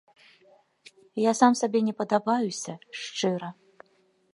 Я сам сабе не падабаюся, шчыра.